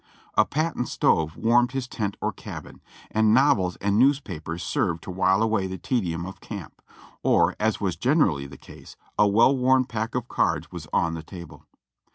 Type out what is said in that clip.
A patent stove warmed his tent or cabin, and novels and news papers served to while away the tedium of camp, or as was gen erally the case, a well worn pack of cards was on the table.